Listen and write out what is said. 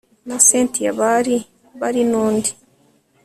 na cyntia bari bari nundi